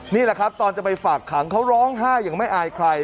นี่แหละครับตอนจะไปฝากขังเขาร้องไห้อย่างไม่อายใคร